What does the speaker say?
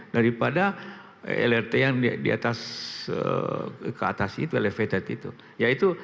daripada lrt yang di atas ke atas itu elevated itu